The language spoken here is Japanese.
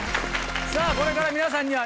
さぁこれから皆さんには。